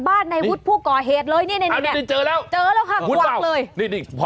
เบิร์ตลมเสียโอ้โห